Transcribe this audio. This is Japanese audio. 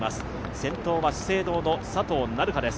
先頭は資生堂の佐藤成葉です。